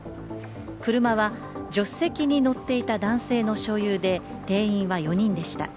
車は助手席に乗っていた男性の所有で定員は４人でした。